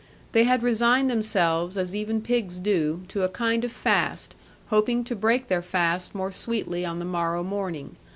They had resigned themselves, as even pigs do, to a kind of fast, hoping to break their fast more sweetly on the morrow morning.